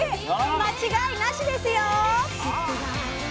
間違いなしですよ！